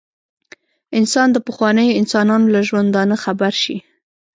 انسان د پخوانیو انسانانو له ژوندانه خبر شي.